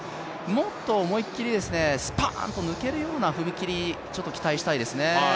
もっと思いっきりスパーンと抜けるような踏み切り、期待したいですね。